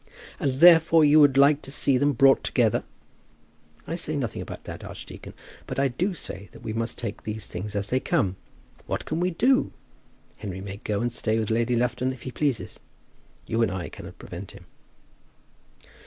"And, therefore, you would like to see them brought together?" "I say nothing about that, archdeacon; but I do say that we must take these things as they come. What can we do? Henry may go and stay with Lady Lufton if he pleases. You and I cannot prevent him."